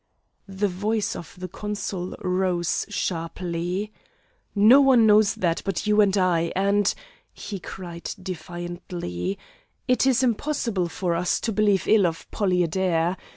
The voice of the consul rose sharply. "No one knows that but you and I, and," he cried defiantly, "it is impossible for us to believe ill of Polly Adair.